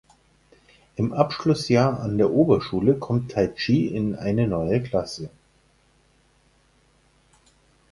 Im Abschlussjahr an der Oberschule kommt Taichi in eine neue Klasse.